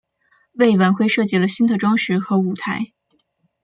为晚会设计了新的装饰和舞台。